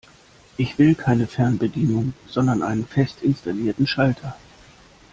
Ich will keine Fernbedienung, sondern einen fest installierten Schalter.